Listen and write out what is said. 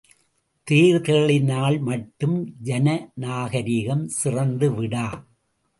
தேர்தல்களினால் மட்டும் ஜன நாகரிகம் சிறந்துவிடா.